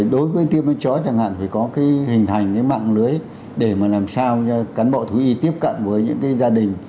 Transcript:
đối với tiêm bệnh chó chẳng hạn phải có cái hình hành cái mạng lưới để mà làm sao cho cán bộ thú y tiếp cận với những cái gia đình